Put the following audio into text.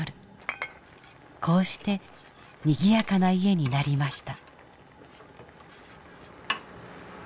こうしてにぎやかな家になりました。